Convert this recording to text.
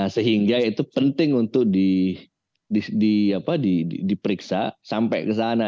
sehingga itu penting untuk diperiksa sampai ke sana